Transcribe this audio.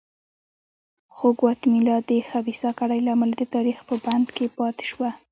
خو ګواتیمالا د خبیثه کړۍ له امله د تاریخ په بند کې پاتې شوه.